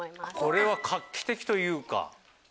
これは画期的というか。